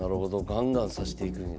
ガンガン指していくんや。